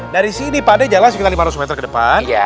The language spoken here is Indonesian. dari sini pada jalan sekitar lima ratus meter ke depan